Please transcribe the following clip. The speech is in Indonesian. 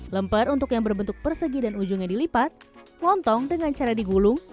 lemper untuk yang berbentuk persegi dan ujungnya dilipat lontong dengan cara digulung